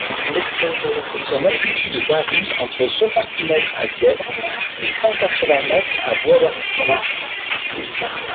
Son altitude varie entre soixante-huit mètres à Bièvres et cent quatre-vingt mètres à Bois-d'Arcy.